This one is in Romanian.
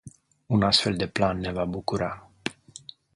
Un astfel de plan ne va bucura.